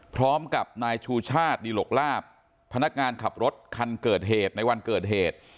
พร้อมกับนายชูชาติดีหลกลาบพนักงานขับรถคันเกิดเหตุในวันเกิดเหตุ